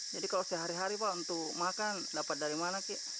jadi kalau sehari hari pak untuk makan dapat dari mana